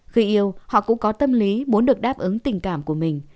khi yêu họ cũng có tâm lý muốn được đáp ứng tình cảm của mình